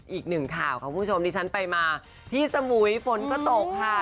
อีกหนึ่งข่าวค่ะคุณผู้ชมที่ฉันไปมาที่สมุยฝนก็ตกค่ะ